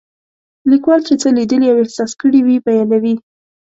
لیکوال چې څه لیدلي او احساس کړي وي بیانوي.